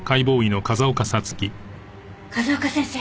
風丘先生